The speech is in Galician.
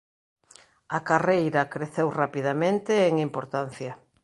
A carreira creceu rapidamente en importancia.